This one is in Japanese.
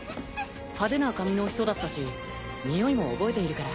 派手な髪の人だったしにおいも覚えているから。